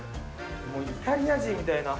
もうイタリア人みたいな。